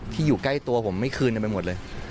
อยู่ใกล้ตัวผมไม่คืนกันไปหมดเลย